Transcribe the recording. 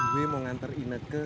gue mau nganter inet ke